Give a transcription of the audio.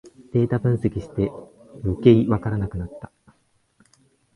データ分析してよけいわからなくなった